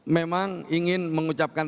memang ingin mengucapkan